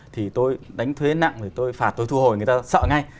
thì tôi đánh thuế nặng thì tôi phạt tôi thu hồi người ta sợ ngay